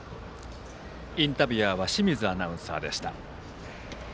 インタビュアーは清水アナウンサーでした。